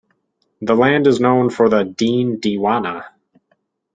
The land is known for the 'Deen Deewana'.